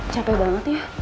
capek banget ya